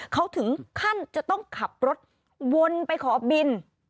เขาถึงขั้นจะต้องขับรถวนไปขอบิน